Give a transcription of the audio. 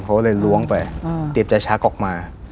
เขาก็เลยล้วงไปเตรียมจะชักออกมา